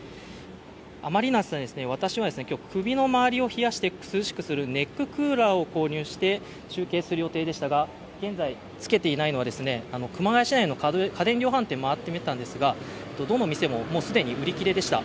あまりの暑さに私は首の周りを冷やして涼しくするネッククーラーを購入して中継する予定でしたが、現在、つけていないのは熊谷市内の家電量販店まわってみたんですが、どの店も既に売り切れでした。